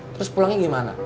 terus pulangnya gimana